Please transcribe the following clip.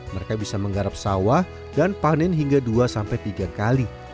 mereka bisa menggarap sawah dan panen hingga dua sampai tiga kali